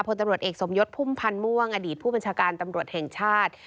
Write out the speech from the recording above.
ตำรวจเอกสมยศพุ่มพันธ์ม่วงอดีตผู้บัญชาการตำรวจแห่งชาติ